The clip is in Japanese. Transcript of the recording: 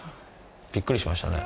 びっくりしましたね